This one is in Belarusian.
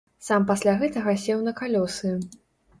Сам пасля гэтага сеў на калёсы.